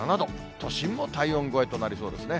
都心も体温超えとなりそうですね。